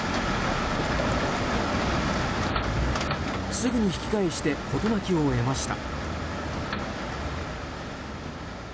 すぐに引き返して事なきを得ました。